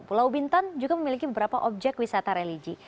pulau bintan juga memiliki beberapa objek wisata religi